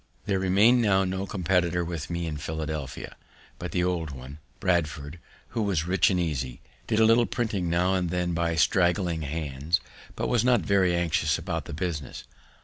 There remained now no competitor with me at Philadelphia but the old one, Bradford; who was rich and easy, did a little printing now and then by straggling hands, but was not very anxious about the business.